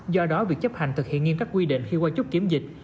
do đó việc chấp hành thực hiện nghiêm các quy định khi qua chốt kiểm dịch